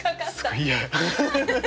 いや。